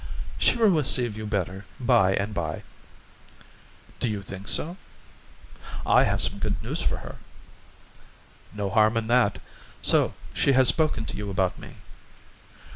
"She will receive you better by and by." "Do you think so?" "I have some good news for her." "No harm in that. So she has spoken to you about me?"